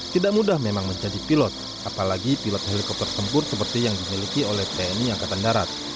tidak mudah memang menjadi pilot apalagi pilot helikopter tempur seperti yang dimiliki oleh tni angkatan darat